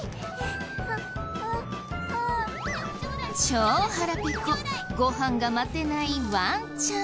超腹ペコご飯が待てないワンちゃん。